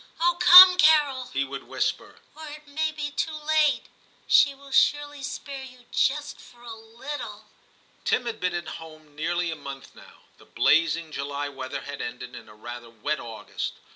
Oh ! come, Carol/ he would whisper, *or it may be too late ; she will surely spare you just for a little.' Tim had been at home nearly a month now ; the blazing July weather had ended in a rather wet August.